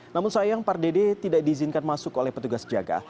namun sayang pardede tidak diizinkan masuk oleh petugas jaga